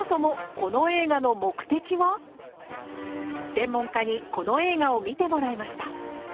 専門家にこの映画を見てもらいました。